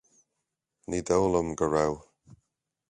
Ní dóigh liom go raibh